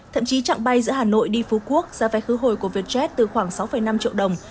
thậm chí trạng bay giữa hà nội đi phú quốc giá vé khứ hồi của vietjet từ khoảng sáu năm triệu đồng